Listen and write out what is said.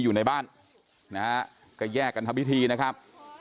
อยู่ในบ้านนะฮะก็แยกกันทำพิธีนะครับ